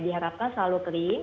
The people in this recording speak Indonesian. diharapkan selalu clean